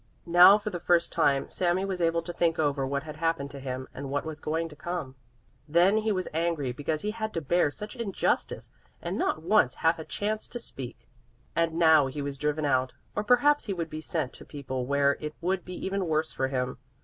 Now for the first time Sami was able to think over what had happened to him and what was going to come. Then he was angry because he had to bear such injustice and not once have a chance to speak. And now he was driven out, or perhaps he would be sent to people where it would be even worse for him.